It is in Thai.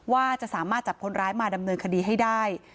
ว่าจะสามารถจับคนร้ายมาดำเนินคดีให้ได้